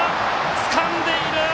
つかんでいる！